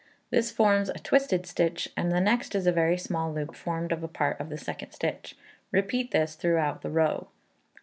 This forms a twisted stitch, and the next is a very small loop formed of a part of the second stitch. Repeat this throughout the row.